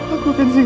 ibu bertahan bu